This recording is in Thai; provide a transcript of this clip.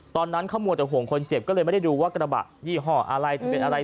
ตอนนั้นเขามัวแต่ห่วงคนเจ็บก็เลยไม่ได้ดูว่ากระบะยี่ห้ออะไรจะเป็นอะไร